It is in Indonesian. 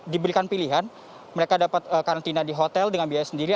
diberikan pilihan mereka dapat karantina di hotel dengan biaya sendiri